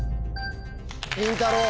りんたろう。